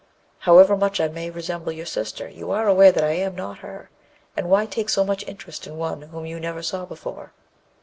'However much I may resemble your sister, you are aware that I am not her, and why take so much interest in one whom you never saw before?'